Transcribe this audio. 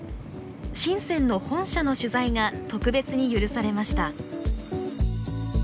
深の本社の取材が特別に許されました。